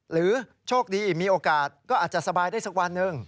โชคดีมีโอกาสก็อาจจะสบายได้สักวันหนึ่ง